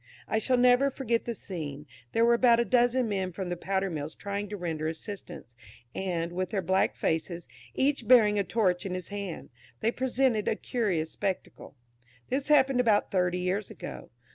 I shall never forget the scene; there were about a dozen men from the powder mills trying to render assistance, and, with their black faces, each bearing a torch in his hand, they presented a curious spectacle. This happened about thirty years ago.